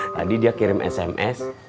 tadi dia kirim sms